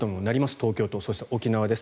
東京都、そして沖縄です。